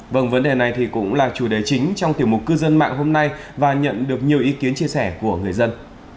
vâng vấn đề này thì cũng là chủ đề chính trong tiểu mục cư dân mạng hôm nay và nhận được nhiều ý kiến chia sẻ của người dân